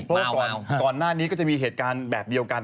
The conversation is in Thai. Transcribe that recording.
เพราะว่าก่อนหน้านี้ก็จะมีเหตุการณ์แบบเดียวกัน